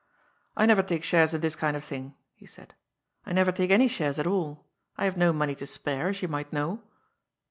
" I never take shares in this kind of thing," he said. " I never take any shares at all. I have no money to spare, as you might know."